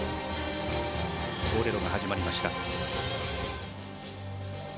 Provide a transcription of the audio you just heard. ボレロが始まりました。